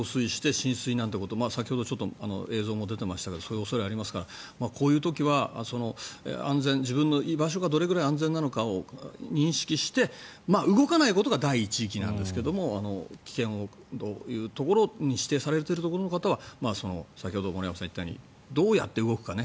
浸水なんてことも先ほど映像も出てましたがそういう恐れもありますからこういう時は、自分の居場所がどれぐらい安全なのかを認識して動かないことが第一なんですけど危険なところに指定されているところの方は先ほど森山さんが言ったようにどうやって動くかね。